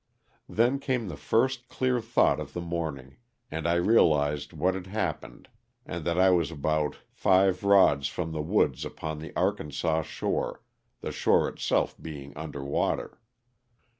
Then came the first clear thought of the morning and I realized what had happened and that I was but about five rods from the woods upon the Arkansas shore, the shore itself being under water.